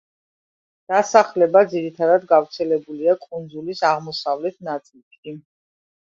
დასახლება ძირითადად გავრცელებულია კუნძულის აღმოსავლეთ ნაწილში.